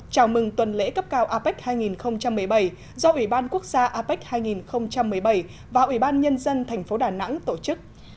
chào mừng tuần lễ cấp cao apec hai nghìn một mươi bảy do ủy ban quốc gia apec hai nghìn một mươi bảy và ủy ban nhân dân thành phố đà nẵng tổ chức